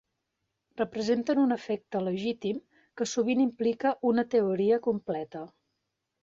Representen un efecte legítim que sovint implica una teoria completa.